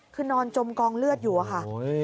คือนอนจมกองเลือดอยู่อะค่ะ